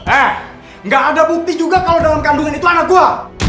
eh nggak ada bukti juga kalau dalam kandungan itu anak buah